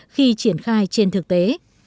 tiến khai trên thực tế